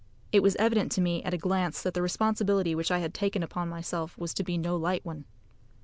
It was evident to me at a glance that the responsibility which I had taken upon myself was to be no light one.